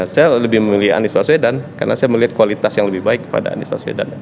saya lebih memilih anies baswedan karena saya melihat kualitas yang lebih baik kepada anies baswedan